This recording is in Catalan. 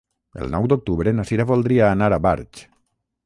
El nou d'octubre na Sira voldria anar a Barx.